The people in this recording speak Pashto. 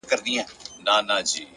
پرمختګ د وېرې تر پولې هاخوا وي.